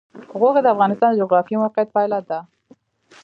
غوښې د افغانستان د جغرافیایي موقیعت پایله ده.